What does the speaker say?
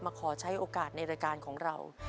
ขอใช้โอกาสในรายการของเรา